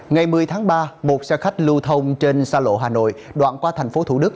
ngày một mươi tháng ba một xe khách lưu thông trên xa lộ hà nội đoạn qua thành phố thủ đức